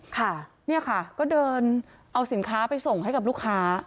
ค่ะเนี่ยค่ะก็เดินเอาสินค้าไปส่งให้กับลูกค้า